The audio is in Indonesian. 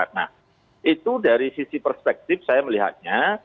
nah itu dari sisi perspektif saya melihatnya